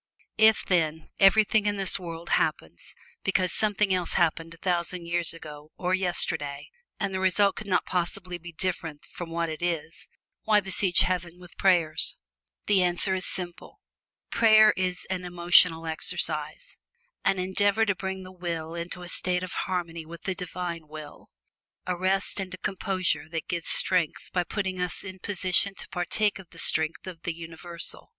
If then, everything in this world happens because something else happened a thousand years ago or yesterday, and the result could not possibly be different from what it is, why besiege Heaven with prayers? The answer is simple. Prayer is an emotional exercise; an endeavor to bring the will into a state of harmony with the Divine Will; a rest and a composure that gives strength by putting us in position to partake of the strength of the Universal.